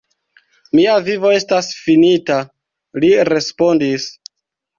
Mia vivo estas finita, li respondis.